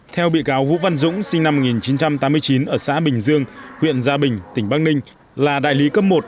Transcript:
theo bị cáo vũ văn dũng sinh năm một nghìn chín trăm tám mươi chín ở xã bình dương huyện gia bình tỉnh bắc ninh là đại lý cấp một